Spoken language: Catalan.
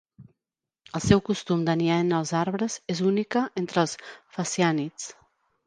El seu costum de niar en els arbres és única entre els fasiànids.